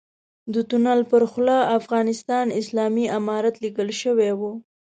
د تونل پر خوله افغانستان اسلامي امارت ليکل شوی و.